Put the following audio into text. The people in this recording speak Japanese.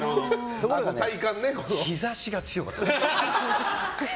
ところが日差しが強かったの。